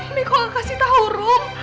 umi kok gak kasih tau rom